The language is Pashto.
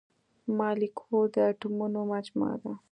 مالیکول د اتومونو مجموعه ده.